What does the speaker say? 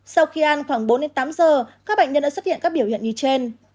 sau khi ăn khoảng bốn tám h các bệnh nhân đã xuất hiện các biểu hiện như trên